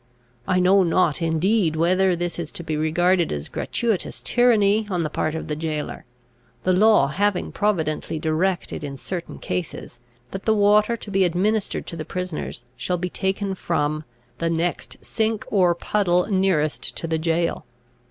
I know not indeed whether this is to be regarded as gratuitous tyranny on the part of the jailor; the law having providently directed, in certain cases, that the water to be administered to the prisoners shall be taken from "the next sink or puddle nearest to the jail."